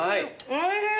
おいしい。